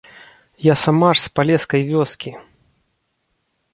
Я сама ж з палескай вёскі!